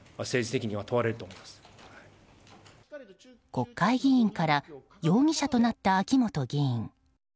国会議員から容疑者となった秋本議員。